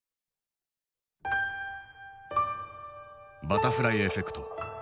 「バタフライエフェクト」。